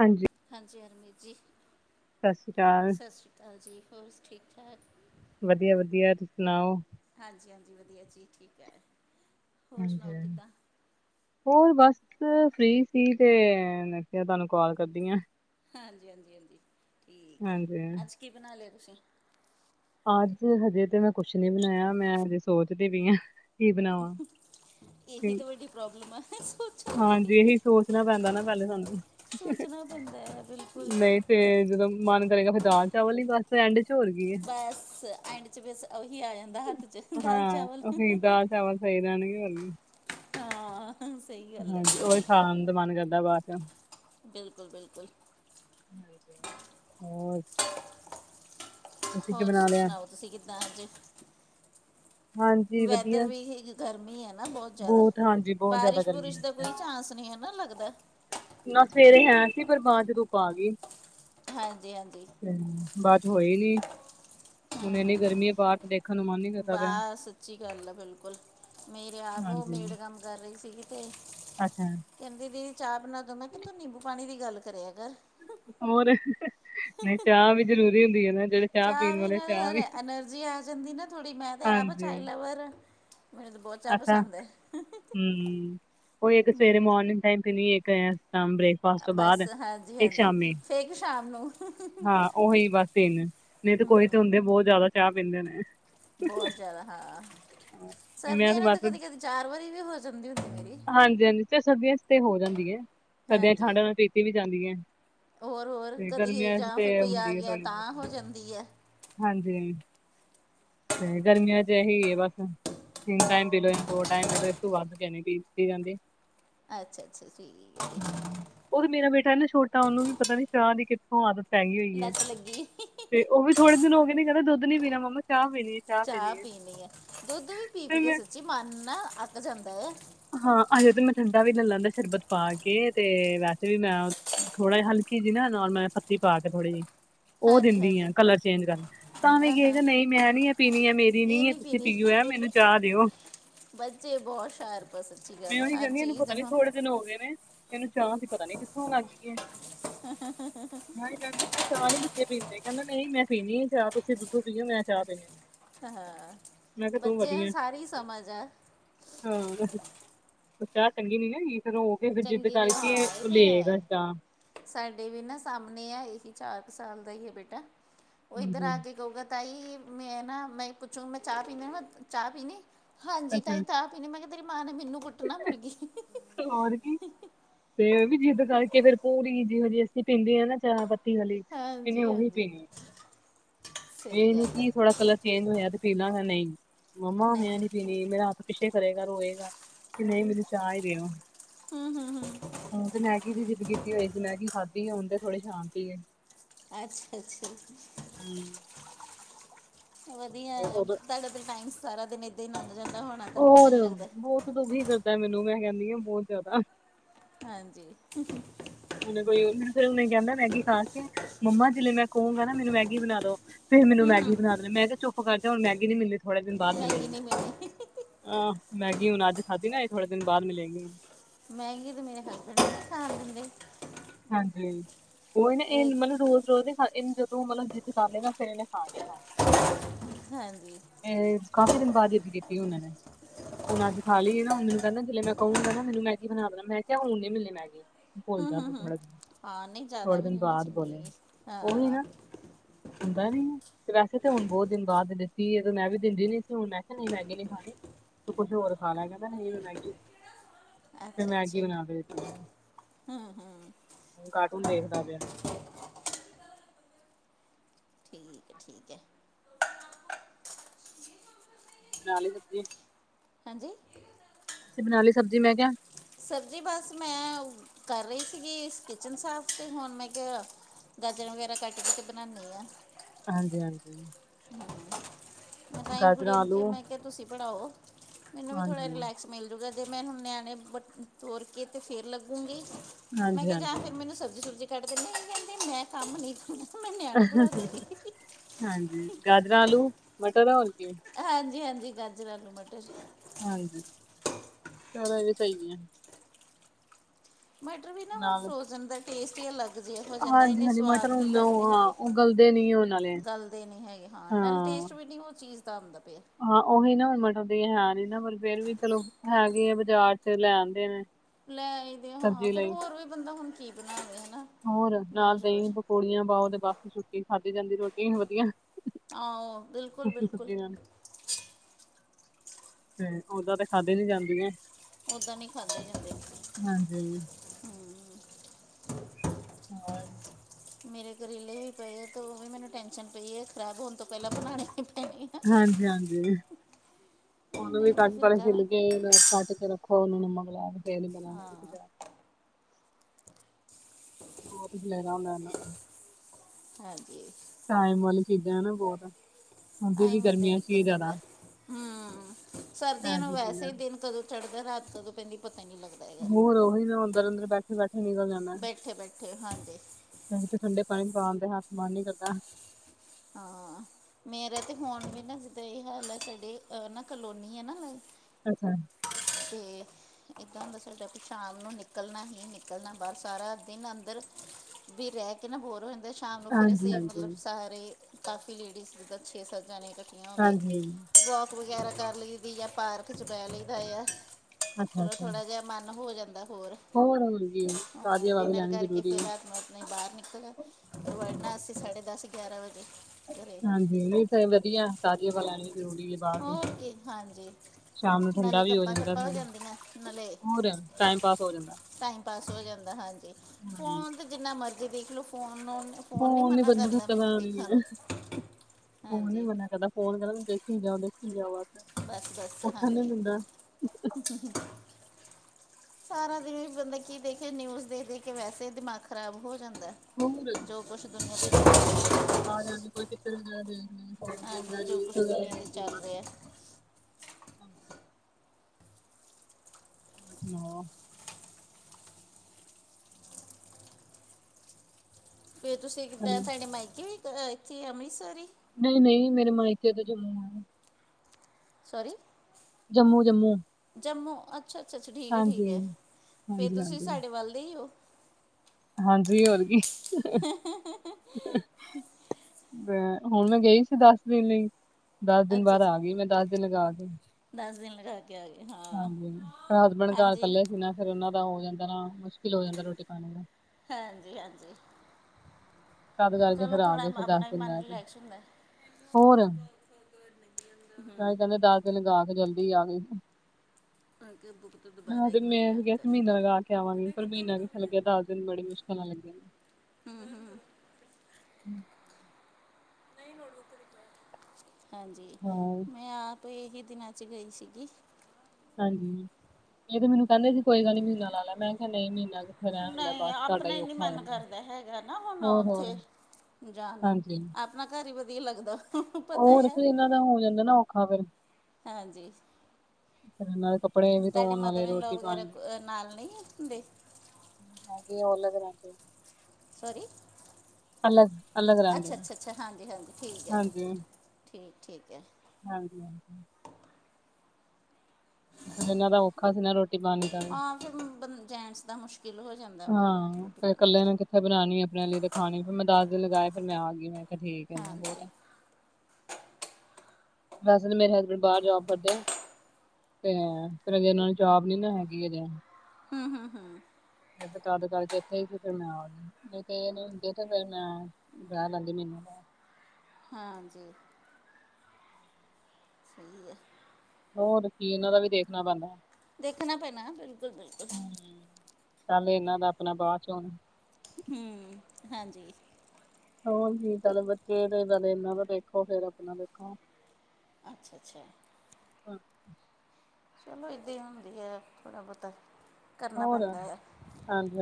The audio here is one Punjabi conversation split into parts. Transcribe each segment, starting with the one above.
ਹਾਂਜੀ, ਹਾਂਜੀ ਹਰਮੀਤ ਜੀ, ਸਤਿ ਸ਼੍ਰੀ ਅਕਾਲ ਹਾਂਜੀ ਹੋਰ ਸਬ ਠੀਕ ਠਾਕ ਵਧੀਆ -ਵਧੀਆ ਤੁਸੀਂ ਸੁਣਾਓ। ਹਾਂਜੀ- ਹਾਂਜੀ ਵਧੀਆ ਜੀ ਠੀਕ ਹੈ। ਹੋਰ ਹਾਂਜੀ ਸੁਣਾਓ ਕਿੱਦਾਂ ਹੋਰ ਬਸ ਫ੍ਰਰੀ ਸੀ ਤੇ ਮੈਂ ਕਿਹਾ ਤੁਹਾਨੂੰ ਕਾਲ ਕਰਦੀ ਆ। ਹਾਂਜੀ -ਹਾਂਜੀ- ਹਾਂਜੀ ਠੀਕ ਹੈ ਹਾਂਜੀ। ਅੱਜ ਕੀ ਬਣਾ ਲਿਆ ਤੁਸੀਂ ਅੱਜ ਹਜੇ ਤੇ ਮੈਂ ਕੁਛ ਨੀ ਬਣਾਇਆ ਮੈਂ ਹਜੇ ਸੋਚਦੀ ਪਈ ਹਾਂ। ਕੀ ਬਣਾਵਾਂ। [inaudible] ਇਹੀ ਤਾਂ ਵੱਡੀ ਪ੍ਰੋਬਲਮ ਆਂ [inaudible] ਹਾਂਜੀ ਇਹੀ ਸੋਚਣਾ ਪੈਂਦਾ ਨਾ ਪਹਿਲੇ ਸਾਨੂੰ ਸੋਚਣਾ ਪੈਂਦਾ ਹੈ ਬਿਲਕੁਲ ਨਹੀਂ। ਤੇ ਜਦੋਂ ਮਨ ਕਰੇਗਾ ਫਿਰ ਦਾਲ ਚਾਵਲ ਹੀ ਬਸ ਐਂਡ 'ਚ ਹੋਰ ਗਈ ਏ। ਬਸ ਐਂਡ 'ਚ ਬਸ ਉਹੀ ਆ ਜਾਂਦਾ ਹੱਥ 'ਚ ਦਾਲ ਹਾਂ ਚਾਵਲ ਉਹੀ ਦਾਲ ਚਾਵਲ ਸਹੀ ਰਹਿਣ ਗੇ ਹੋਰ ਕੀ ਹਾਂ ਸਹੀ ਗੱਲ ਹੈ ਹਾਂਜੀ ਉਹੀ ਖਾਣ ਦਾ ਮਨ ਕਰਦਾ ਬਾਅਦ 'ਚੋਂ ਬਿਲਕੁਲ- ਬਿਲਕੁਲ ਹੋਰ ਤੁਸੀਂ ਕੀ ਹੋਰ ਬਣਾ ਲਿਆ? ਸੁਣਾਓ ਤੁਸੀਂ ਕਿੱਦਾਂ ਅੱਜ ਹਾਂਜੀ ਵੈਦਰ ਵਧੀਆ ਵੀ ਗਰਮੀ ਹੈ ਨਾ ਬਹੁਤ ਜ਼ਿਆਦਾ ਹਾਂਜੀ ਬਹੁਤ ਜ਼ਿਆਦਾ ਬਾਰਿਸ਼ ਗਰਮੀ ਬੁਰਿਸ਼ ਹੈ ਇਸ ਦਾ ਟਾਈਮ। ਕੋਈ ਚਾਂਸ ਨਹੀਂ ਆ। ਡਰ ਲੱਗਦਾ। ਨਾ ਸਵੇਰੇ ਹੈ ਸੀ ਪਰ ਬਾਅਦ 'ਚ ਧੁਪ ਆ ਗਈ। ਹਾਂਜੀ -ਹਾਂਜੀ ਬਾਅਦ ਹੋਈ ਨੀ ਹੁਣ ਇਹਨੀ ਗਰਮੀ ਏ ਬਾਹ ਤੇ ਦੇਖ ਬਾਸ ਸੱਚੀ ਗੱਲ ਆ ਬਿਲਕੁਲ ਮੇਰੇ ਆਪ ਉਹ ਹਾਂਜੀ। ਮੇਰੇ ਕੰਮ ਕਰ ਰਹੀ ਸੀਗੀ ਤੇ ਅੱਛਾ ਕਹਿੰਦੀ ਦੀਦੀ ਚਾਹ ਬਣਾ ਦੋ ਮੈਂ ਕਿਹਾ ਤੂੰ ਨਿੰਬੂ ਪਾਣੀ ਦੀ ਗੱਲ ਕਰਿਆ ਕਰ। ਹੋਰ ਨਹੀਂ ਚਾਹ ਵੀ ਜ਼ਰੂਰੀ ਹੁੰਦੀ ਹੈ ਨਾ ਜਿਹੜੇ ਚਾਹ ਪੀਣ ਵੀ ਵਾਲੇ ਨਾ ਚਾਹ ਵੀ ਐਨਰਜੀ ਆ ਜਾਂਦੀ ਨਾ ਥੋੜ੍ਹੀ ਮੈਂ ਤੇ ਐ ਬੀ ਹਾਂਜੀ। ਚਾਹ ਲਵਰ ਮੈਨੂੰ ਤੇ ਬਹੁਤ ਚਾਹ ਅੱਛਾ ਪਸੰਦ ਹੈ। [inaudible] ਹੂੰ। ਉਹ ਇੱਕ ਸਵੇਰੇ ਮੋਰਨਿੰਗ ਟਾਈਮ ਪੀਣੀ ਇੱਕ ਐ। ਤਾਂ ਬ੍ਰੇਕਫਾਸਟ ਤੋਂ ਬਾਅਦ ਬਸ ਹਾਂਜੀ ਇੱਕ ਹਾਂਜੀ ਸ਼ਾਮੀ ਫੇਕ ਸ਼ਾਮ ਨੂੰ ਹਾਂ ਉਹੀ ਵਸ ਤਿੰਨ ਨਹੀਂ ਤਾਂ ਕੋਈ ਤੇ ਹੁੰਦੇ ਬਹੁਤ ਜ਼ਿਆਦਾ ਚਾਹ ਪੀਂਦੇ ਨੇ। ਬਹੁਤ ਜ਼ਿਆਦਾ ਹਾਂ ਮੈਂ ਸਰਦੀਆਂ ਤੇ ਨਾ ਤਾਂ ਬਸ ਕਦੀ- ਕਦੀ ਚਾਰ ਵਾਰੀ ਵੀ ਹੋ ਜਾਂਦੀ ਹੁੰਦੀ ਮੇਰੀ ਹਾਂਜੀ-ਹਾਂਜੀ ਸਰਦੀਆਂ 'ਚ ਤੇ ਹੋ ਜਾਂਦੀ ਹੈ ਸਰਦੀਆਂ ਹਾਂਜੀ ਠੰਡ ਨਾਲ ਪੀਤੀ ਵੀ ਜਾਂਦੀ ਏ। ਹੋਰ -ਹੋਰ ਕਦੇ ਜਾਂ ਫਿਰ ਕੋਈ ਆ ਹੁੰਦੀ ਹੈ ਗਿਆ ਥੋੜ੍ਹੀ ਬਹੁਤ ਤਾਂ ਹੋ ਜਾਂਦੀ ਹੈ। ਹਾਂਜੀ ਗਰਮੀਆਂ 'ਚ ਇਹੀ ਹੈ ਬਸ ਤਿੰਨ ਟਾਈਮ ਪੀ ਲੋ ਜਾਂ ਦੋ ਟਾਈਮ ਪੀ ਲੋ। [unintelligible] ਅੱਛਾ -ਅੱਛਾ ਜੀ। [inaudible] ਹਾਂਜੀ ਉਹ ਤੇ ਮੇਰਾ ਬੇਟਾ ਨਾ ਛੋਟਾ ਉਹਨੂੰ ਵੀ ਪਤਾ ਨੀ ਚਾਹ ਦੀ ਕਿੱਥੋਂ ਆਦਤ ਪੈ ਗਈ ਜੀ ਹੋਈ ਹੈ। ਲੱਤ ਲੱਗੀ ਤੇ ਉਹ ਵੀ ਥੋੜੇ ਦਿਨ ਗਏ ਨੀ ਕਹਿੰਦਾ ਦੁੱਧ ਨੀ ਪੀਣਾ ਮੰਮਾ ਚਾਹ ਪੀਣੀ। ਚਾਹ ਪੀਣੀ ਆ ਦੁੱਧ ਵੀ ਪੀ ਫਿਰ ਪੀਏ ਮੈਂ ਸੱਚੀ ਮਨ ਨਾ ਅੱਕ ਜਾਂਦਾ ਐ। ਹਾਂ ਹਜੇ ਤੇ ਮੈਂ ਠੰਡਾ ਵੀ ਨਹੀਂ ਲੈਂਦਾ ਸ਼ਰਬਤ ਪਾ ਕੇ ਰਾਤੀ ਵੀ ਮੈਂ ਥੋੜਾ ਜਿਹਾ ਹਲਕੀ ਜਿ ਨਾ ਨੋਰਮਲ ਪੱਤੀ ਪਾ ਕੇ ਥੋੜੀ ਜਿ ਉਹ ਹਾਂਜੀ ਦਿੰਦੀ ਆ ਹਾਂਜੀ ਕਲਰ ਚੇਂਜ ਕਰਨ ਤਾਂ ਵੀ ਹਾਂ ਕਿਹਾ ਹਾਂ ਕੇ ਨਹੀਂ ਮੈਂ ਨੀ ਆ ਪੀਣੀ ਹੈ ਮੇਰੀ ਇਹ ਨੀ ਹੈ ਨਹੀਂ ਤੁਸੀਂ ਪੀਣੀ ਪੀਓ ਐ ਮੈਨੂੰ ਚਾਹ ਦਿਓ। ਬੱਚੇ ਬਹੁਤ ਸ਼ਰਪ ਸ ਮੈਂ ਉਹੀ ਕਹਿੰਣੀ ਇਹਨੂੰ ਪਤਾ ਨੀ ਥੋੜੇ ਦਿਨ ਹੋ ਗਏ ਨੇ ਇਹਨੂੰ ਚਾਹ ਪਤਾ ਨੀ ਕਿੱਥੋਂ ਲੱਗ ਗਈ ਏ। [inaudible] ਚਾਹ ਨੀ ਬੱਚੇ ਪੀਂਦੇ ਕਹਿੰਦਾ ਨਹੀਂ ਮੈਂ ਪੀਣੀ ਚਾਹ ਤੁਸੀਂ ਦੁੱਧੂ ਪੀਓ ਮੈਂ ਚਾਹ ਪੀਣੀ। [inaudible] ਹਾਂ ਮੈਂ ਕਿਹਾ ਤੂੰ ਬੱਚਿਆਂ ਨੂੰ ਵਧੀਆ ਸਾਰੀ ਸਮਝ ਆ। ਹਾਂ। ਚਾਹ ਚੰਗੀ ਨੀ, ਨਾ ਹੈਗੀ, ਫਿਰ ਰੋ ਕੇ ਫਿਰ ਜਿੱਦ ਚੰਗੀ ਨੇ ਕਰਕੇ ਹਾਂ ਇਹ ਉਹ ਤੇ ਲੈ ਆਏਗਾ ਹੈ ਚਾਹ। ਸਾਡੇ ਵੀ ਨਾ, ਸਾਹਮਣੇ ਐ, ਇਹੀ ਚਾਰ ਕੁ ਸਾਲ ਦਾ ਹੀ ਹੈ ਬੇਟਾ, ਉਹ ਇੱਧਰ ਹਾਂਜੀ ਆ ਕੇ ਕਹੂਗਾ ਤਾਈ, ਮੈਂ ਨਾ, ਮੈਂ ਪੁੱਛੂੰ ਮੈਂ ਚਾਹ ਪੀਣੀ, ਚਾਹ ਪੀਣੀ, ਹਾਂਜੀ ਅੱਛਾ ਤਾਈ ਤਾ ਪੀਨੀ, ਮੈਂ ਕਿਹਾ, ਤੇਰੀ ਮਾਂ ਨੇ, ਮੈਨੂੰ ਕੁੱਟਣਾ ਮੁੜ ਕੇ। ਤੇ ਹੋਰ ਕੀ, ਫੇਰ ਉਹ ਵੀ ਜਿੱਦ ਕਰਕੇ ਫਿਰ ਪੂਰੀ ਜਿਹੋ ਜਿਹੀ, ਅਸੀਂ ਪੀਂਦੇ ਹਾਂ ਨਾ, ਚਾਹ ਪੱ ਤੀ ਵਾਲੀ ਇਹਨੇ ਹਾਂਜੀ ਉਹੀ ਹਾਂਜੀ ਪੀਣੀ, ਸਹੀ ਇਹ ਨੀ ਗੱਲ ਹੈ ਕੀ ਥੋੜਾ ਕਲਰ ਚੇਂਜ ਹੋਇਆ ਤੇ ਪੀ, ਲਾ, ਨਹੀਂ ਮੰਮਾ ਨਹੀਂ ਮੈਂ ਨੀ, ਪੀਣੀ ਮੇਰਾ ਹੱਥ ਪਿੱਛੇ ਕਰੇਗਾ, ਰੋਏਗਾ ਕਿ ਨਹੀਂ ਮੈਨੂੰ ਚਾਹ ਇਹ ਦਿਉ। ਹਮ -ਹਮ, ਹਮ। ਹੁਣ ਤੇ, ਮੈਗੀ ਦੀ ਜਿੱਦ ਕੀਤੀ ਹੋਈ ਸੀ, ਮੈਗੀ ਖਾਧੀ ਹੈ, ਹੁਣ ਤੇ ਥੋੜ੍ਹੀ ਸ਼ਾਂਤੀ ਏ। ਅੱਛਾ- ਅੱਛਾ। ਹੂੰ ਵਧੀਆ, ਤੇ ਉਦੋਂ ਬੱਚਿਆਂ ਦਾ ਤੇ, ਟਾਈਮ ਸਾਰਾ ਦਿਨ ਏਦਾਂ ਹੀ ਲੰਘ ਜਾਂਦਾ ਹੋਣਾ, ਤਾਂ ਪਤਾ ਹੀ ਨਹੀਂ ਲੱਗਦਾ। ਤੂੰ ਦੁੱਖੀ ਕਰਦਾ ਏ ਮੈਨੂੰ, ਮੈਂ ਕਹਿੰਨੀ ਆ ਬਹੁਤ ਜ਼ਿਆਦਾ। ਹਾਂਜੀ [unintelligible] ਹੁਣੇ ਕੋਈ ਮੇਨੂੰ, ਫੇਰ ਉਹਨੇ ਕਹਿੰਦਾ ਮੈਗੀ ਖਾ ਕੇ, ਮੰਮਾ ਜੇਲੇ ਮੈਂ ਕਹੂੰਗਾ ਨਾ, ਮੈਨੂੰ ਮੈਗੀ ਬਨਾ ਦੋ। ਫੇਰ ਮੈਨੂੰ ਮੈਗੀ ਬਨਾ ਦੇਨਾ, ਮੈਂ ਕਿਹਾ ਚੁੱਪ ਕਰ ਜਾ, ਹੁਣ ਮੈਗੀ ਨੀ ਮਿਲਨੀ ਥੋੜ੍ਹੇ ਦਿਨ ਬਾਅਦ ਮੈਗੀ ਮਿਲੇਗੀ, ਨਹੀਂ ਮਿਲੀ ਅ- ਹ, ਮੈਗੀ ਹੁਣ ਅੱਜ ਖਾਧੀ ਨਾ, ਇਹ ਥੋੜੇ ਦਿਨ ਬਾਅਦ ਮਿਲੇਗੀ। ਮੈਗੀ ਤੇ ਮੇਰੇ ਹਸਬੈਂਡ [inaudible] ਨਹੀ ਖਾਣ ਦਿੰਦੇ। ਹਾਂਜੀ, ਉਹੀ ਨਾ ਏਹ, ਮਤਲਬ ਇਹ ਰੋਜ਼- ਰੋਜ਼, ਨਹੀ ਖਾਨੀ ਇਹਨੇ ਜਦੋਂ ਮਤਲਬ ਜ਼ਿੱਦ ਕਰ ਲਈ ਨਾ, ਫੇਰ ਇਹਨੇ ਖਾਣੀ -ਖਾਣੀ [inaudible] ਹਾਂਜੀ। ਫੇਰ ਕਾਫੀ ਦਿਨ, ਬਾਅਦ ਜਿੱਦ ਕੀਤੀ ਹੁਣ ਇਹਨੇ। ਹੁਣ, ਅੱਜ ਖਾ ਲਈ ਏ ਨਾ, ਹੁਣ ਮੈਨੂੰ ਕਹਿੰਦਾ, ਜੇ ਲੇ ਮੈ ਕਹੂੰਗਾ ਨਾ, ਮੈਨੂੰ ਮੈਗੀ ਬਨਾ ਦੇਨਾ, ਮੈਂ ਕਿਹਾ ਹੁਣ ਨਹੀਂ ਮਿਲਨੀ ਮੈਗੀ। ਭੁੱਲ ਜਾ ਤੂੰ ਥੋੜੇ ਦਿਨ, ਹਾਂ ਨਹੀਂ ਜ਼ਿਆਦਾ ਥੋੜੇ ਵੀ ਦਿਨ ਨਹੀਂ ਨਾ ਬਾਅਦ ਚੰਗੀ ਬੋਲੇ, ਹੈਗੀ ਹਾਂ ਓਹੀ ਨਾ। ਸੁਣਦਾ ਨੀ ਹੈ? ਤੇ ਵੈਸੇ ਤੇ ਹੁਣ, ਬਹੁਤ ਦਿਨ ਬਾਅਦ ਦਿੱਤੀ ਏ, ਤੇ ਮੈਂ ਵੀ ਦਿੰਦੀ ਨੀ, ਸੀ ਹੁਣ ਮੈਂ ਕਿਹਾ, ਨਹੀਂ ਮੈਗੀ ਨਹੀਂ ਖਾਣੀ। ਤੂੰ ਕੁਛ ਹੋਰ ਖਾ ਲੈ, ਕਹਿੰਦਾ ਨਹੀਂ ਮੈਂ ਮੈਗੀ ਹੀ, [inaudible] ਫੇਰ ਮੈਗੀ ਬਨਾ ਕੇ ਦਿਤੀ। ਹੂੰ- ਹੂੰ। ਹੁਣ, ਕਾਰਟੂਨ ਦੇਖਦਾ ਪਿਆ। ਠੀਕ ਹੈ -ਠੀਕ ਹੈ। ਬਣਾ ਲਈ ਸਬਜ਼ੀ? ਹਾਂਜੀ? ਤੁਸੀਂ ਬਣਾ, ਲਈ ਸਬਜ਼ੀ? ਮੈਂ ਕਿਹਾ ਸਬਜ਼ੀ, ਬਸ ਮੈਂ ਕਰ ਰਹੀ ਸੀਗੀ ਕਿਚਨ ਸਾਫ਼ ਤੇ ਹੁਣ ਮੈਂ ਕਿਹਾ ਗਾਜਰਾਂ ਵਗੈਰਾ, ਕੱਟ ਕੇ ਤੇ ਬਨਾਨੀ ਆ। ਹਾਂਜੀ -ਹਾਂਜੀ। ਹੂੰ [unintelligible] ਮੈਂ ਤਾਂ ਹੀ ਕੁੜੀ ਗਾਜਰਾਂ ਨੂੰ ਆਲੂ ਕਿਹਾ, ਮੈਂ ਕਿਹਾ ਤੁਸੀਂ ਪੜ੍ਹਾਓ। [inaudible] ਮੈਨੂੰ ਵੀ, ਥੋੜਾ ਹਾਂਜੀ ਰਿਲੈਕਸ ਮਿਲ ਜਦੋੰ [unintelligible] ਮੈਂ ਹੁਣ ਨਿਆਣੇ ਬ ਤੋਰ ਕੇ- ਤੇ ਫੇਰ ਲੱਗੂਗੀਂ। [inaudible] ਮੈਂ ਹਾਂਜੀ ਕਿਹਾ, ਜਾ ਫੇਰ ਹਾਂਜੀ ਮੈਨੂੰ ਸਬਜ਼ੀ- ਸੁਬਜ਼ੀ ਕਟ ਦੇ [inaudible] ਕਹਿੰਦੀ ਮੈਂ ਕੰਮ ਨੀ ਕਰਨਾ। ਮੈਂ, ਨਿਆਣੇ ਪੜਾ ਦੂੰਗੀ। [unintelligible] ਹਾਂਜੀ, ਗਾਜਰਾਂ, ਆਲੂ, ਮਟਰ ਹੋਰ ਕੀ? ਹਾਂਜੀ- ਹਾਂਜੀ, ਗਾਜਰ, ਆਲੂ, ਮਟਰ। ਹਾਂਜੀ, ਚਲੋ ਇਹ ਵੀ ਸਹੀ ਹੈ। ਮਟਰ ਵੀ ਨਾ, ਹੁਣ ਨਾਲ। ਫਰੋਜਨ ਦਾ ਟੇਸਟ ਹੀ ਅਲੱਗ ਜਿਹੇ ਹੋ ਜਾਂਦੇ, ਇੰਨੇ ਹਾਂਜੀ-ਹਾਂਜੀ ਮਟਰ ਸਵਾਦ ਨੀ ਹੁਣ ਲੱਗਦੇ ਉਹ ਹਾਂ ਹੈਗੇ, ਉਹ ਗਲਦੇ ਨੀ ਉਹ ਨਾਲੇ। ਗੱਲਦੇ ਨੀ ਹੈਗੇ। ਹਾਂ, ਨਾਲ ਟੇਸਟ ਵੀ ਨਹੀਂ, ਉਹ ਚੀਜ਼ ਦਾ ਆਂਦਾ ਪਿਆ। ਹਾਂ ਉਹੀ ਨਾ, ਹੁਣ ਮਟਰ ਦੀ ਹੈ ਨੀ, ਨਾ ਪਰ ਫੇਰ ਵੀ, ਚਲੋ ਹੈਗੇ ਆ, ਬਾਜ਼ਾਰ ਚ ਲੈ ਆਂਦੇ ਨੇ। ਲੈ ਆਈ ਦੇ, ਹਾਂ, ਸਬਜ਼ੀ ਫਿਰ ਲਈ ਹੋਰ ਬੰਦਾ ਹੁਣ ਕੀ ਬਨਾਵੇ? ਹੈਨਾ। ਹੋਰ ਨਾਲ ਦਹੀਂ-ਪਕੌੜੀਆਂ ਪਾਓ ਤੇ, ਬਾਕੀ- ਸੂਕੀ ਖਾਦੀ ਜਾਂਦੀ ਰੋਟੀ ਨਾਲ ਵਧੀਆਂ। ਆਹੋ ਸੁਖੀ ਬਿਲਕੁਲ-ਬਿਲਕੁਲ ਸਬਜ਼ੀ ਨਾਲ। ਤੇ ਓਦਾਂ ਤੇ ਖਾਦੇ ਨੀ ਜਾਂਦੀਐ। ਓਹਦਾਂ ਨੀ ਖਾਦੀ ਜਾਂਦੀ, ਹਾਂਜੀ ਹੂੰ। ਹੋਰ? ਮੇਰੇ ਕਰੇਲੇ ਵੀ ਪਏ ਏ। ਤੋ ਓਹ ਵੀ ਮੈਨੂੰ ਟੈਂਨਸ਼ਨ ਪਈ ਏ, ਖ਼ਰਾਬ ਹੋਣ ਤੋਂ ਪਹਿਲਾਂ ਬਣਾਣੇ ਪ ਹਾਂਜੀ- ਹਾਂਜੀ, [inaudible] ਹੁਣ ਵੀ ਨਹੀਂ [unintelligible] ਤੇ ਕੱਢ ਫਿਰ ਗਾਲਾਂ ਕੇ ਰੱਖੋ ਹੁਣ ਨੂੰ ਮੰਗ ਲੈਣਗੇ ਹਾਂ [unintelligible] ਬਹੁਤ ਹੀ ਆਰਾਮ ਨਾਲ ਨਾਹਨਾ ਹੇ। ਹਾਂਜੀ। ਟਾਈਮ ਵਾਲੀਆਂ ਚੀਜ਼ਾਂ ਨਾ ਬਹੁਤ ਹੁੰਦੀ ਵੀ ਟਾਈਮ ਇਦਾ ਹੀ ਗਰਮੀਆਂ ਚ ਨਿਕਲ ਜ਼ਿਆਦਾ ਜਾਂਦਾ। ਹੂੰ ਐ ਸਰਦੀਆਂ ਨੂੰ ਜੀ ਵੈਸੇ ਚੀਜ਼ਾਂ ਹੀ ਦਿਨ ਕਦੋਂ ਚੜਦਾ ਰਾਤ ਕਦੋਂ, ਪੇਂਹਦੀ ਪਤਾ ਨੀ ਲੱਗਦਾ। ਹੈਗਾ ਹੋਰ ਉਹੀ ਨਾ ਅੰਦਰ- ਅੰਦਰ, ਬੈਠੇ-ਬੈਠੇ ਨਿਕਲ ਜਾਣਾ ਏ। ਬੈਠੇ ਬੈਠੇ ਹਾਂਜੀ ਤਾਂ ਹੀ ਤੇ ਠੰਡੇ ਪਾਣੀ ਚ ਪਾਉਣ ਦਾ ਹੱਥ, ਮਨ ਨੀ ਕਰਦਾ। ਹਾਂ, ਮੇਰਾ ਤੇ ਹੁਣ ਵੀ ਨਾ ਜਿੱਦਾਂ ਇਹ ਹਾਲ ਹੈ। ਸਾਡੇ ਨਾ ਕਲੋਨੀ ਹੈ ਨਾ। ਅੱਛਾ। ਠੀ ਇੱਦਾਂ ਹੁੰਦਾ ਸਾਡਾ ਕਿ, ਸ਼ਾਮ ਨੂੰ ਨਿਕਲਣਾ ਹੀ ਨਿਕਲਣਾ ਬਾਹਰ, ਸਾਰਾ ਦਿਨ ਅੰਦਰ ਵੀ ਰਹਿ ਕੇ ਨਾ ਬੋਰ ਹੋ ਜਾਂਦਾ। ਸ਼ਾਮ ਨੂੰ ਫੇਰ ਹਾਂਜੀ ਅਸੀਂ ਹਾਂਜੀ ਮਤਲਬ ਸਾਰੇ, ਕਾਫੀ ਲੇਡੀਜ਼ ਜਿੱਦਾਂ ਛੇ- ਸੱਤ ਜਾਣੇ ਇਕੱਠੀਆਂ ਹੋ, ਕੇ ਹਾਂਜੀ ਵੋਕ ਵਗੈਰਾ ਕਰ ਲਈੈਂਦੀ ਆ। ਯਾ ਪਾਰਕ ਚ ਬਹਿ ਲਈਦਾ ਹੈਗਾ ਹੈ। ਅੱਛਾ ਚਲੋ ਅੱਛਾ ਥੋੜਾ ਜਿਹਾ ਮਨ, ਹੋ ਜਾਂਦਾ ਹੋਰ। ਹੋਰ ਕੀ ਤਾਜ਼ੀ ਹਾਂ, ਹਵਾ ਵੀ ਡਿਨਰ ਲੈਣੀ ਕਰਕੇ ਜ਼ਰੂਰੀ ਫੇਰ ਹੈ ਰਾਤ ਨੂੰ ਆਪਣਾ ਹੀ ਬਾਹਰ ਨਿਕਲ ਵਰਨਾ ਅਸੀਂ ਸਾਢੇ ਦਸ, ਗਿਆਰਾਂ ਵਜੇ, ਘਰੇ। ਹਾਂਜੀ, ਨਹੀਂ ਤਾਂ ਵਧੀਆ ਤਾਜ਼ੀਆਂ ਹਵਾ ਲੈਣੀ। ਜ਼ਰੂਰੀ ਹੈ ਬਾਹਰ ਦੀ ਓਕੇ, ਹਾਂਜੀ। ਸ਼ਾਮ ਨੂੰ ਨਾਲੇ ਠੰਡਾ ਵੀ ਗੱਪਾਂ- ਜਾਂਦਾ ਸ਼ੱਪਾਂ ਫਿਰ ਹੋ ਜਾਂਦੀਆਂ। ਨਾਲੇ ਹੋਰ ਟਾਈਮ ਪਾਸ ਹੋ ਜਾਂਦਾ ਟਾਈਮ ਪਾਸ ਹੋ ਜਾਂਦਾ। ਹਾਂਜੀ, ਹਮ ਫੋਨ ਤਾਂ ਜਿੰਨਾ ਮਰਜ਼ੀ ਦੇਖ ਲਓ ਫੋਨ ਨੂੰ ਫੋਨ ਨਹੀਂ ਮਨਾ ਕਰਦਾ ਮੈਨੂੰ ਦੇਖਣ ਨੂੰ [unintelligible] ਫੋਨ ਨੀ ਹਾਂਜੀ ਮਨਾ ਕਰਦਾ। ਫੋਨ ਕਹਿੰਦਾ ਮੈਨੂੰ ਦੇਖੀ ਜਾਓ-ਦੇਖੀ ਜਾਓ। ਬਸ -ਬਸ, ਉੱਠਣ ਨੀ ਹਾਂਜੀ ਦਿੰਦਾ ਸਾਰਾ ਦਿਨ ਵੀ ਬੰਦਾ ਕੀ ਦੇਖੇ, ਨਿਊਜ਼ ਦੇਖ- ਦੇਖ ਕੇ ਵੈਸੇ ਦਿਮਾਗ ਖ਼ਰਾਬ ਹੋ ਜਾਂਦਾ ਏ। ਹੋਰ। [unintelligible] ਆ ਜਾਣ ਕੋਈ ਹਾਂਜੀ ਜੋ ਕੁਛ ਦੁਨੀਆ [unintelligible] ਤੇ ਚੱਲ ਰਿਹਾ ਹੋਰ ਸੁਣਾਓ? ਫੇਰ ਤੁਸੀਂ ਕਿੱਦਾਂ ਹੈਲੋ ਤੁਹਾਡੇ ਮਾਈਕੇ ਵੀ ਇੱਥੇ ਅੰਮ੍ਰਿਤਸਰ ਹੀ। ਨਹੀਂ-ਨਹੀਂ ਮੇਰੇ ਮਾਇਕੇ ਤੇ ਜੰਮੂ ਆ। ਸੋਰੀ। ਜੰਮੂ, ਜੰਮੂ। ਜੰਮੂ ਅੱਛਾ-ਅੱਛਾ, ਅੱਛਾ ਠੀਕ ਹੈ- ਠੀਕ ਹਾਂਜੀ ਹੈ, ਫੇਰ ਹਾਂਜੀ ਤੁਸੀਂ ਹਾਂਜੀ ਸਾਡੇ ਵੱਲ ਦੇ ਹੀ ਹੋ। ਹਾਂਜੀ, ਹੋਰ ਕੀ। ਅ ਹੁਣ ਮੈਂ ਗਈ ਸੀ, ਦੱਸ ਦਿਨ ਲਈ। ਦੱਸ ਦਿਨ ਅੱਛਾ ਅੱਛਾ, ਬਾਅਦ ਆ ਗਈ। ਮੈਂ ਦੱਸ ਦਿਨ ਲਗਾ ਕੇ। ਦਸ ਦਿਨ ਲਗਾ। ਕਯਾ ਗਿਆ ਹਾਂ। ਹਾਂਜੀ, ਹਸਬੈਂਡ ਘਰ ਹਾਂਜੀ ਇਕੱਲੇ ਸੀ ਨਾ, ਫੇਰ ਉਹਨਾ ਦਾ ਹੋ ਜਾਂਦਾ ਨਾ, ਮੁਸ਼ਕਿਲ ਹੋ ਜਾਂਦਾ ਰੋਟੀ- ਖਾਣੇ ਦਾ। ਹਾਂਜੀ, ਹਾਂਜੀ। ਤਦ ਕਰਕੇ ਚਲੋ ਫੇਰ ਆ ਥੋੜ੍ਹਾ ਗਏ ਸੀ। ਦੱਸ ਆਪਣਾ ਵੀ ਦਿਨਾ ਮਨ ਰਹਿ ਕੇ, ਰਿਲੈਕਸ ਹੁੰਦਾ ਹੈ। ਹੋਰ। ਤਾਂ ਵੀ ਕਹਿੰਦੇ ਦਸ ਦਿਨ ਲਗਾ ਕੇ, ਜਲਦੀ ਆ ਗਈ। ਕਿ ਬੁੱਕ ਤੋਂ ਦੁਬਾਰਾ ਆਹ ਤੇ ਇੱਕ ਵਾਰੀ ਮੈਂ ਵੀ ਯਾਦ ਕਿਹਾ ਕਰ ਸੀ ਮਹੀਨਾ ਲਗਾ ਕੇ ਆਵਾਂਗੀ, ਪਰ ਮਹੀਨਾ ਨਹੀ ਸੀ ਲੱਗਿਆ ਦੱਸ ਦਿਨ ਬੜੀ ਮੁਸ਼ਕਿਲ ਨਾਲ ਲੱਗਦੇ ਨੇ। ਹੂ ਹੂ ਹੂੰ ਹਾਂਜੀ ਹਾਂ ਮੈਂ ਆਪ ਇਹੀ ਦਿਨਾਂ 'ਚ ਗਈ ਸੀਗੀ। ਹਾਂਜੀ, ਇਹ ਤੇ ਮੈਨੂੰ ਕਹਿੰਦੇ ਜੀ ਕੋਈ ਗੱਲ ਨੀ ਮਹੀਨਾ ਲੈ, ਮੈਂ ਕਿਹਾ ਨਹੀਂ ਮਹੀਨਾ ਕਿੱਥੇ ਰਹਿਣ ਹੁੰਦਾ ਨਹੀਂ ਬਾਹਰ, ਤੁਹਾਡਾ ਆਪਣਾ ਹੀ ਨਹੀਂ ਔਖਾ ਆ ਮਨ ਜਾਂਦਾ। ਕਰਦਾ ਹੈਗਾ ਨਾ, ਨਾ ਹੋਰ ਹੋਰ ਉੱਥੇ ਜਾਣ ਨੂੰ, ਹਾਂਜੀ ਆਪਣਾ ਘਰ ਹੀ ਵਧੀਆ ਲੱਗਦਾ। ਪਤਾ ਹੋਰ ਆ ਫੇਰ ਇਹਨਾਂ ਦਾ ਹੋ ਜਾਂਦਾ ਨਾ, ਔਖਾ ਫੇਰ ਹਾਂਜੀ। ਨਾਲ ਤੁਹਾਡੇ ਮਦਰ ਇਨ ਲਾਅ, ਵਗੈਰਾ ਨਾਲ ਨਹੀਂ ਹੁੰਦੇ। ਹੈਗੀ ਉਹ ਲਗ ਰਾ ਦੇ। ਸੋਰੀ, ਅਲੱਗ ਅਲੱਗ ਰਹਿੰਦੇ ਅੱਛਾ ਆ ਅੱਛਾ ਅੱਛਾ, ਹਾਂਜੀ ਹਾਂਜੀ ਠੀਕ ਹੈ। ਠੀਕ ਠੀਕ ਹੈ। ਹਾਂਜੀ ਹਾਂਜੀ, ਫਿਰ ਇਹਨਾਂ ਦਾ ਔਖਾ ਸੀ ਨਾ ਰੋਟੀ ਪਾਣੀ। ਦਾ ਵੀ ਆਾਂ ਫਿਰ ਬ ਜੈਂਟਸ ਦਾ ਮੁਸ਼ਕਿਲ ਹੋ ਜਾਂਦਾ। ਮਗਰੋਂ ਹਾਂ ਰੋਟੀ ਫਿਰ ਪਾਣੀ ਦਾ ਇਕੱਲੇ ਨੇ ਕਿੱਥੇ ਬਣਾਉਣੀ ਆਪਣੇ ਲਈ ਤੇ ਖਾਣੀ, ਫਿਰ ਮੈਂ ਦੱਸ ਦਿਨ ਲਗਾਏ, ਫਿਰ ਮੈਂ ਆ ਗਈ, ਮੈਂ ਠੀਕ ਹੈ, ਬਹੁਤ ਹਾਂਜੀ ਵੈਸੇ ਤੇ ਮੇਰੇ ਹਸਬੈਂਡ, ਬਾਹਰ ਜੋਬ ਕਰਦੇ ਆ। ਤੇ ਫਿਰ ਅਜੇ ਇਹ ਨੂੰ ਜੋਬ ਨੀ ਨਾ ਹੈਗੀ, ਅਜੇ। ਹੂੰ ਹੂੰ ਹੂੰ, ਫ ਤੁਹਾਡੇ ਕਰਕੇ ਇੱਥੇ ਸੀ, ਫਿਰ ਮੈਂ ਆ ਗਈ, ਨਈ ਤੇ ਏ ਨਈ ਹੁੰਦੇ, ਤੇ ਫਿਰ ਮੈਂ ਮੈਂ ਲੈਂਦੀ ਨੀ, ਮੈਂ ਕੇਹਾ ਹਾਂਜੀ, ਠਹੀ ਹੈ। ਹੋਰ ਕੀ ਉਹਨਾਂ ਦਾ ਵੀ ਦੇਖਣਾ ਪੈਂਦਾ। ਦੇਖਣਾ ਪੈਣਾ ਨਾ ਫਿਰ ਬਿਲਕੁਲ, ਬਿਲਕੁਲ ਕੱਲ ਇਹਨਾਂ ਦਾ ਆਪਣਾ ਬਾਅ ਚੋਣ ਹੂ, ਹਾਂਜੀ। ਹੋ ਜੀ ਪਹਿਲੇ ਬੱਚੇ ਨੇ, ਨਾਲ ਇਹਨਾਂ ਦਾ ਦੇਖੋ, ਫੇਰ ਆਪਣਾ ਦੇਖੋ। ਅੱਛਾ ਅੱਛਾ, ਹਾਂ, ਚਲੋ ਏਦਾਂ ਹੀ ਹੁੰਦੀ ਹੈ, ਥੋੜ੍ਹਾ ਬਹੁਤਾ ਕਰਨਾ ਹੋਰ ਪੈਂਦਾ ਐ,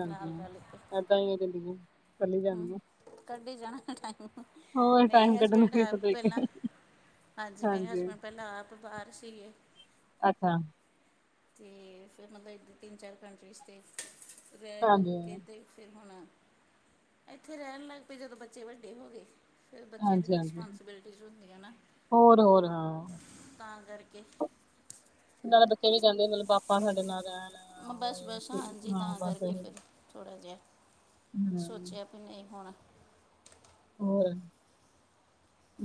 ਨਾਲ ਰਲਕੇ ਤਾਇਯੋ ਤੇ ਬਿਲਕੁਲ ਕੱਲੀ ਜਾਂਦੀ ਆਂ। ਕਰਦੇ ਜਾਣਾ ਟਾਈਮ, ਹੋਰ ਮੇਰੇ ਟਾਈਮ ਕੱਢਣਾ ਹਸਬੈਂਡ ਹੈ ਕਿਸੇ ਪਹਿਲਾਂ। ਤਰੀਕੇ ਹਾਂਜੀ, ਮੇਰੇ ਹਸਬੈਂਡ ਪਹਿਲਾਂ ਆਪ ਬਾਹਰ ਸੀਗੇ। ਅੱਛਾ, ਅਤੇ ਫਿਰ ਮਤਲਬ ਇੱਧਰ, ਤਿੰਨ ਚਾਰ ਕੰਟਰੀਜ਼ ਰਹਿ ਰੁ ਹਾਂਜੀ ਕੇ, ਅਤੇ ਫਿਰ ਹੁਣ ਇੱਥੇ ਰਹਿਣ ਲੱਗ ਪਏ, ਜਦੋਂ ਬੱਚੇ ਵੱਡੇ ਹੋ ਗਏ। ਫਿਰ ਬੱਚਿਆਂ ਦੀ ਵੀ ਹਾਂਜੀ ਹਾਂਜੀ ਰਿਸਪੋਂਸੀਬਿਲਟੀਜ਼ ਹੁੰਦੀਆਂ ਨਾ, ਹੋਰ ਹੋਰ ਹਾਂ ਤਾਂ ਕਰਕੇ। ਨਾਲੇ ਬੱਚੇ ਵੀ ਕਹਿੰਦੇ, ਮਤਲਬ ਪਾਪਾ ਸਾਡੇ ਨਾਲ ਰਹਿਣਾ। ਬਸ ਬਸ, ਹਾਂਜੀ ਤਾਂ ਕਰਕੇ ਫਿਰ ਥੋੜ੍ਹਾ ਜਿਹਾ ਹੂੰ ਸੋਚਿਆ। ਫਿਰ ਨਹੀਂ ਹੋਣਾ। ਹੋਰ,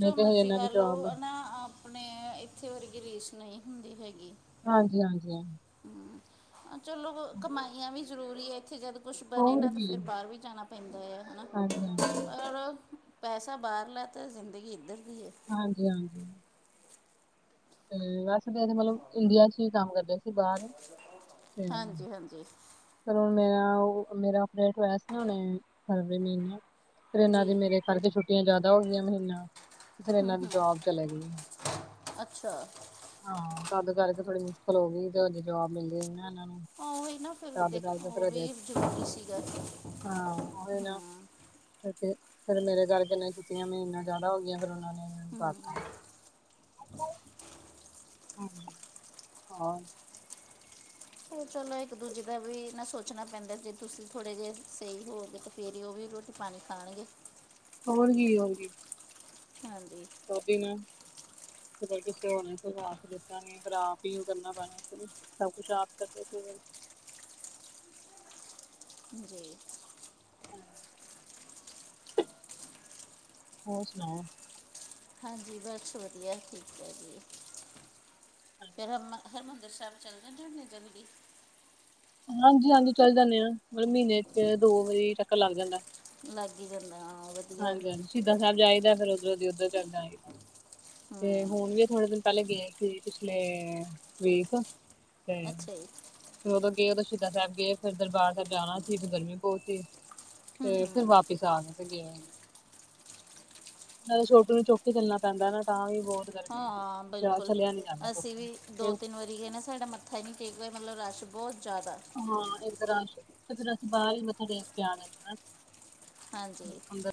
ਮੈਂ ਕਿਹਾ ਹਜੇ ਮਰਜ਼ੀ ਇਹਨਾਂ ਦੀ ਕਰ ਜੋਬ ਲਓ ਨਾ ਆਪਣੇ, ਇੱਥੇ ਵਰਗੀ ਰੀਸ ਨਹੀਂ ਹੁੰਦੀ ਹੈਗੀ। ਹਾਂਜੀ -ਹਾਂਜੀ-ਹਾਂ ਚਲੋ ਕਮਾਈਆਂ ਵੀ ਜ਼ਰੂਰੀ ਹੈ ਇੱਥੇ ਜਦ ਕੁਛ ਬਣੇ ਹੋਰ ਨਾ ਤਾਂ ਕੀ ਫਿਰ ਬਾਹਰ ਵੀ ਜਾਣਾ। ਪੈਂਦਾ ਆ ਹਨਾ। ਹਾਂਜੀ- ਹਾਂਜੀ ਔਰ ਪੈਸਾ ਬਾਹਰ ਲੈ ਤਾਂ ਜ਼ਿੰਦਗੀ ਇੱਧਰ ਦੀ ਹੈ। ਹਾਂਜੀ- ਹਾਂਜੀ [unintelligible] ਮਤਲਬ ਇੰਡੀਆ 'ਚ ਵੀ ਕੰਮ ਕਰਦੇ ਸੀ ਬਾਹਰ ਤੇ ਹਾਂਜੀ ਹਾਂਜੀ ਸਰ ਹੁਣ ਮੇਰਾ ਓ ਮੇਰਾ ਅਪਡੇਟ ਹੋਇਆ ਸੀ ਨਾ ਹੁਣੇ ਫਰਵਰੀ ਮਹੀਨੇ ਫਿਰ ਇਹਨਾਂ ਜੀ ਦੀ ਮੇਰੇ ਕਰਕੇ ਛੁੱਟੀਆਂ ਜ਼ਿਆਦਾ ਹੋ ਗਈਆਂ ਮਹੀਨਾ ਫਿਰ ਇਹਨਾਂ ਦੀ ਜੋਬ ਚਲੇ ਗਈ। [inaudible] ਅੱਛਾ ਹਾਂ ਤਦ ਕਰਕੇ ਥੋੜੀ ਮੁਸ਼ਕਿਲ ਹੋ ਗਈ ਤੇ ਅਜੇ ਜੋਬ ਮਿਲਦੀ ਨੀ ਨਾ ਇਹਨਾਂ ਨੂੰ ਹਾਂ ਉਹੀ ਨਾ ਫਿਰ ਤਦ ਕਰਕੇ ਦੇਖੋਂ ਫਿਰ ਉਹ ਹਜੇ ਵੀ ਜ਼ਰੂਰੀ ਸੀਗਾ। ਹਾਂ ਓਹੀ ਨਾ ਫਿਰ ਮੇਰੇ ਕਰਕੇ ਨੇ ਛੁੱਟੀਆਂ ਮਹੀਨਾ ਜ਼ਿਆਦਾ ਹੋ ਗਈਆਂ ਫਿਰ ਉਹਨਾਂ ਨੇ ਹੂੰ ਕਰਤਾ [inaudible] ਅੱਛਾ ਹਾ। ਹੋ ਚਲੋ ਇੱਕ ਦੂਜੇ ਦਾ ਵੀ ਨਾ ਸੋਚਣਾ ਪੈਂਦਾ ਜੇ ਤੁਸੀਂ ਥੋੜੇ ਜਿਹੇ ਸਹੀ ਹੋਗੇ ਤੇ [inaudible] ਫੇਰ ਉਹ ਵੀ ਰੋਟੀ ਪਾਣੀ ਖਾਣਗੇ। [inaudible] ਹੋਰ ਕੀ- ਹੋਰ ਕੀ ਹਾਂਜੀ ਓਹੀ ਨਾ ਕਿਸੇ ਹੋਰ ਨੇ ਤੇ ਸਾਥ ਦਿੱਤਾ ਨ ਫਿਰ ਆਪ ਇਯੋ ਕਰਨਾ ਪੈਣਾ। ਸਭ ਕੁਛ ਆਪ ਕਰਦੇ ਪਏ ਨੇ। ਜੀ [inaudible] ਹੋਰ ਸੁਣਾਓ। ਹਾਂਜੀ ਬਸ ਵਧੀਆ ਠੀਕ ਹੈ ਜੀ ਫਿਰ ਹਰਮ ਹਰਿਮੰਦਰ ਸਾਹਿਬ ਚੱਲਦਾ ਡੇ ਜਲਦੀ [unintelligible] ਹਾਂਜੀ- ਹਾਂਜੀ ਚੱਲ ਜਾਂਦੇ ਆ ਮਤਲਬ ਮਹੀਨੇ 'ਚ ਦੋ ਵਾਰੀ ਚੱਕਰ ਲੱਗ ਜਾਂਦਾ। ਲੱਗ ਹੀ ਜਾਂਦਾਂ ਆਂ ਉ ਵ ਹਾਂਜੀ- ਹਾਂਜੀ ਸ਼ਹੀਦਾ ਸਾਹਿਬ ਜਾਈਦਾ ਫਿਰ ਉਧਰੋਂ ਉੱਧਰ ਚੱਲ ਜਾਈਦਾ। ਤੇ ਹੁਣ ਵੀ ਥੋੜੇ ਦਿਨ ਪਹਿਲੇ ਗਏ ਸੀ ਪਿਛਲੇ ਵੀਕ ਤੇ ਅੱਛਾ ਜੀ ਫੇਰ ਉਦੋਂ ਗਏ ਉਦੋਂ ਸ਼ਹੀਦਾ ਸਾਹਿਬ ਗਏ ਫਿਰ ਦਰਬਾਰ ਸਾਹਿਬ ਜਾਣਾ ਸੀ ਫਿਰ ਗਰਮੀ ਬਹੁਤ ਸੀ। ਤੇ ਫਿਰ ਵਾਪਿਸ ਆ ਗਏ। ਉਹਨਾਂ ਦੇ ਛੋਟੂ ਨੂੰ ਚੁੱਕ ਕੇ ਚੱਲਣਾ ਪੈਂਦਾ ਨਾ ਤਾਂ ਵੀ ਬਹੁਤ ਹਾਂ ਗਰਮੀ ਹੈ, ਆਂ ਜਾ ਬਿਲਕੁਲ ਚੱਲਿਆ ਨੀ ਜਾਂਦਾ ਚੁੱਕ ਅਸੀਂ ਵੀ ਕੇ ਦੋ ਇਸ ਤਿੰਨ ਵਾਰੀ ਗਏ ਨਾ ਸਾਡੇ ਮੱਥਾ ਹੀ ਨਹੀਂ ਟੇਕ ਹੋਯਾ ਮਤਲਬ ਰਸ਼ ਬਹੁਤ ਜ਼ਿਆਦਾ ਹਾਂ ਇੱਕ ਤਾ ਰਸ਼ ਤੇ ਫੇਰ ਅਸੀ ਬਾਹਰ ਹੀ ਮੱਥੇ ਟੇਕ ਕੇ ਆ ਗਏ ਸੀ ਨਾ। ਹਾਂਜੀ